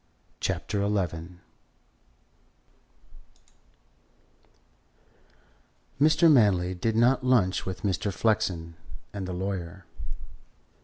CHAPTER XI Mr. Manley did not lunch with Mr. Flexen and the lawyer.